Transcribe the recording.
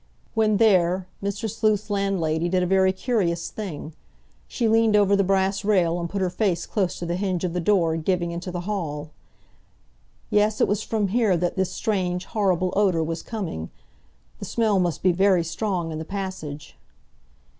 When there, Mr. Sleuth's landlady did a very curious thing; she leaned over the brass rail and put her face close to the hinge of the door giving into the hall. Yes, it was from here that this strange, horrible odor was coming; the smell must be very strong in the passage.